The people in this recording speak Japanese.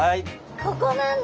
ここなんだ鰾！